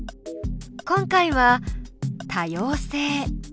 今回は「多様性」。